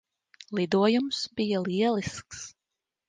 Lidojums bija lielisks.